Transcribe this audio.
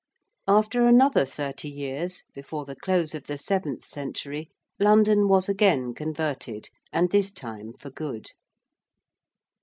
After another thirty years, before the close of the seventh century, London was again converted: and this time for good.